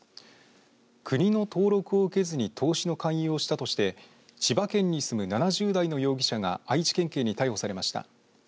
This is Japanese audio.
国の登録を受けずに投資の勧誘をしたとして千葉県に住む７０代の容疑者が愛知県警に逮捕されました。